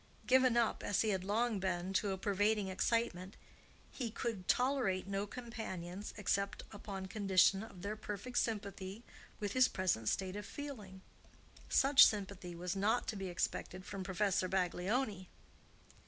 Given up as he had long been to a pervading excitement, he could tolerate no companions except upon condition of their perfect sympathy with his present state of feeling. Such sympathy was not to be expected from Professor Baglioni.